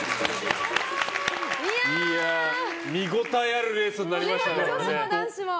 見ごたえあるレースになりましたね。